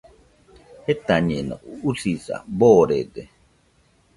Jetañeno, usisa boorede.